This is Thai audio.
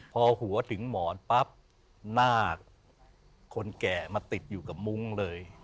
พอหัวถึงหมอนปั๊บนาคคนแก่มาติดอยู่กับมุ้งเลย